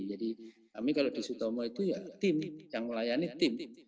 jadi kami kalau di utomo itu ya tim yang melayani tim